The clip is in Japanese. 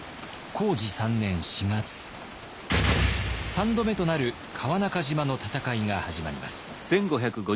３度目となる川中島の戦いが始まります。